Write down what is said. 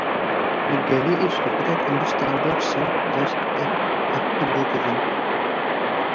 The galley is located on the starboard side just aft of the bow cabin.